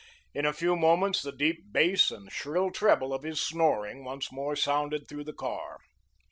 In a few moments the deep bass and shrill treble of his snoring once more sounded through the car.